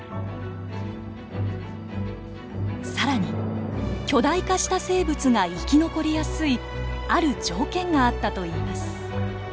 更に巨大化した生物が生き残りやすいある条件があったといいます。